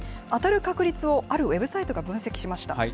当たる確率をあるウェブサイトが分析しました。